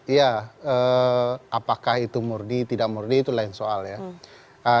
iya apakah itu murni tidak murni itu lain soal ya